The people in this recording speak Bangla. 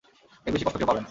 এর বেশি কষ্ট কেউ পাবে না।